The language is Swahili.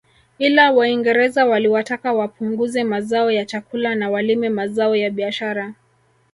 Ila waingereza waliwataka wapunguze mazao ya chakula na walime mazao ya biashara